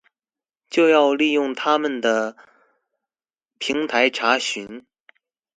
就要利用它們的平台查詢